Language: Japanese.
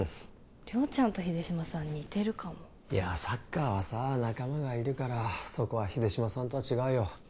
亮ちゃんと秀島さん似てるかもいやサッカーはさ仲間がいるからそこは秀島さんとは違うよ